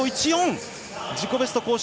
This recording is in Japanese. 自己ベスト更新。